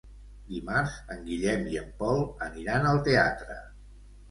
Dimarts en Guillem i en Pol aniran al teatre.